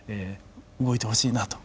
動いてほしいなと。